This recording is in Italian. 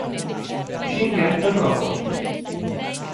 Shin Getter Robot